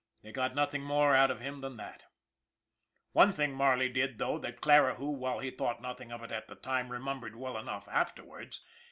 They got nothing more out of him than that. One thing Marley did, though, that Clarihue, while he thought nothing of it at the time, remembered well enough afterwards.